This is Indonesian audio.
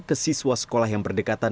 ke siswa sekolah yang berdekatan